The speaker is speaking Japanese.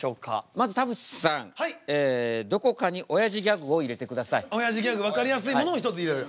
まず田渕さんどこかにおやじギャグ分かりやすいものを１つ入れる。